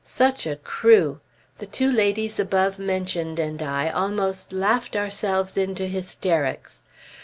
Such a crew! The two ladies above mentioned and I almost laughed ourselves into hysterics.